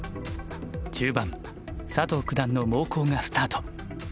中盤佐藤九段の猛攻がスタート。